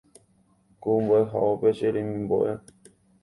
Ku mbo’ehaópe Che remimbo’e